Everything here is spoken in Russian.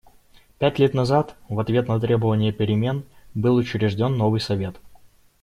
Пять лет назад, в ответ на требования перемен, был учрежден новый Совет.